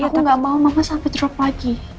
aku gak mau mama sampai drop lagi